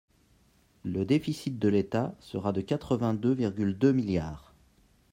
Le déficit de l’État sera de quatre-vingt-deux virgule deux milliards.